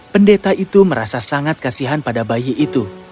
pendeta itu merasa sangat kasihan pada bayi itu